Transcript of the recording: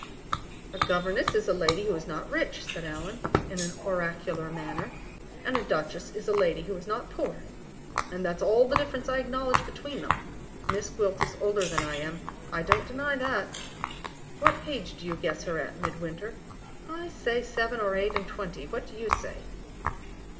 "A governess is a lady who is not rich," said Allan, in an oracular manner; "and a duchess is a lady who is not poor. And that's all the difference I acknowledge between them. Miss Gwilt is older than I am I don't deny that. What age do you guess her at, Midwinter? I say, seven or eight and twenty. What do you say?"